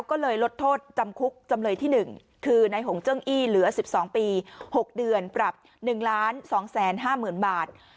ก็เลยลดโทษจำคุกจำเลยที่๑คือในหงเจิ้งอี้เหลือ๑๒ปี๖เดือนปรับ๑๒๕๐๐๐บาท